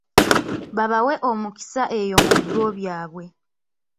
Babawe omukisa eyo mu bigo byabwe.